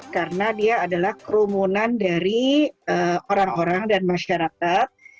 karena dia adalah kerumunan dari orang orang dan masyarakat